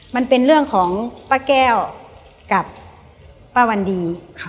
มันเป็นเรื่องของป้าแก้วกับป้าวันดี